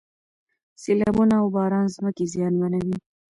سیلابونه او باران ځمکې زیانمنوي.